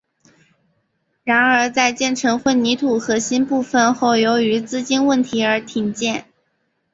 然而在建成混凝土核心部分后由于资金问题而停建。